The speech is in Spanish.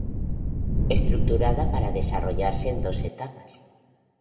Estructurada para desarrollarse en dos etapas.